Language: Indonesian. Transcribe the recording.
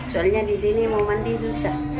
soalnya di sini mau mandi susah